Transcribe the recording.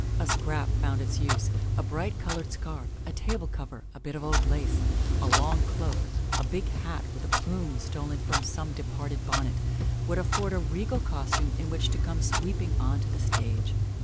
A scrap found its use. A bright colored scarf, a table cover, a bit of old lace, a long cloak, a big hat with a plume stolen from some departed bonnet, would afford a regal costume in which to come sweeping on to the stage.